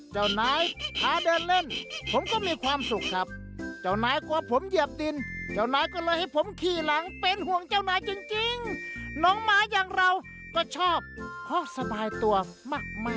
ให้สะอาดนะครับผม